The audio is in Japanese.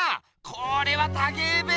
これはたけえべ！